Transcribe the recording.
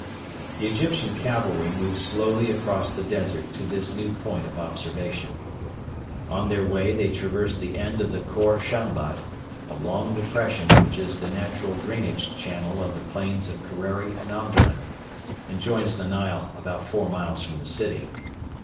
The Egyptian cavalry moved slowly across the desert to this new point of observation. On their way they traversed the end of the Khor Shambat, a long depression which is the natural drainage channel of the plains of Kerreri and Omdurman, and joins the Nile about four miles from the city.